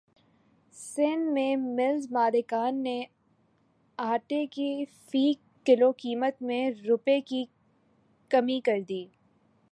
سندھ میں ملز مالکان نے اٹے کی فی کلو قیمت میں روپے کی کمی کردی